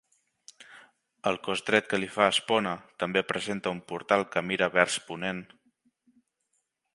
El cos dret que li fa espona també presenta un portal que mira vers ponent.